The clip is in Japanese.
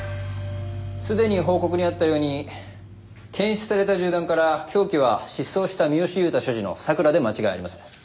すでに報告にあったように検出された銃弾から凶器は失踪した三好勇太所持のＳＡＫＵＲＡで間違いありません。